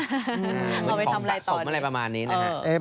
เอาไปทำอะไรตอนนี้เอาไปทำสะสมอะไรประมาณนี้นะฮะเอ๊ะ